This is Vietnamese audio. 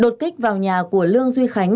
đột kích vào nhà của lương duy khánh